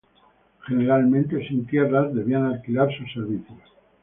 Generalmente sin tierras, debían alquilar sus servicios.